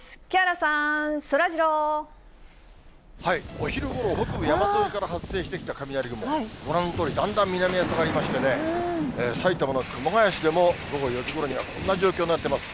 お昼ごろ、北部山沿いから発生してきた雷雲、ご覧のとおり、だんだん南へ下がりましてね、埼玉の熊谷市でも、午後４時ごろにはこんな状況になってます。